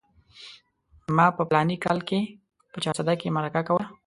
ما په فلاني کال کې په چارسده کې مرکه کوله.